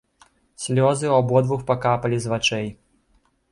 Слёзы ў абодвух пакапалі з вачэй.